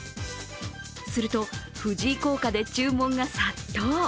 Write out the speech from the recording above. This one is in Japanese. すると、藤井効果で注文が殺到。